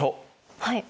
はい。